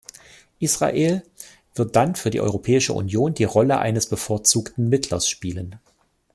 Israel wird dann für die Europäische Union die Rolle eines bevorzugten Mittlers spielen.